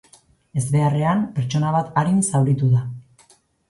Ezbeharrean, pertsona bat arin zauritu da.